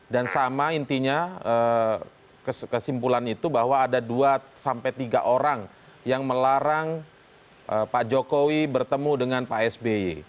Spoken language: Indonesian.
dan sama intinya kesimpulan itu bahwa ada dua tiga orang yang melarang pak jokowi bertemu dengan pak sby